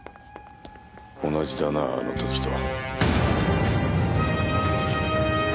同じだなあの時と。